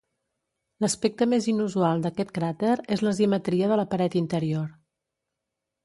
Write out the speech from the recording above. L'aspecte més inusual d'aquest cràter és l'asimetria de la paret interior.